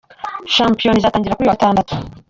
Shampiyona izatangira kuri uyu wa Gatandatu.